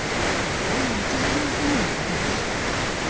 午後１時半過ぎのことでした。